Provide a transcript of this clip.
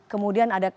kemudian ada kapal